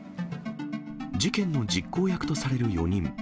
事件の実行役とされる４人。